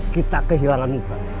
kita kehilangan kita